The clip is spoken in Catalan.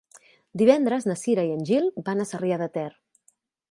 Divendres na Cira i en Gil van a Sarrià de Ter.